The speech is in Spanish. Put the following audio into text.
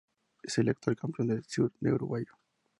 Es el actual campeón de surf uruguayo.